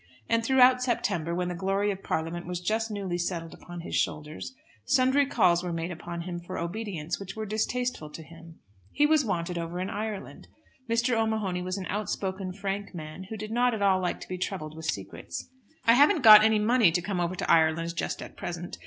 And throughout September, when the glory of Parliament was just newly settled upon his shoulders, sundry calls were made upon him for obedience which were distasteful to him. He was wanted over in Ireland. Mr. O'Mahony was an outspoken, frank man, who did not at all like to be troubled with secrets. "I haven't got any money to come over to Ireland just at present.